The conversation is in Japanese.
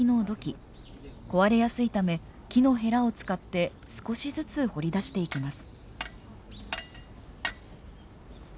壊れやすいため木のへらを使って少しずつ掘り出していきます。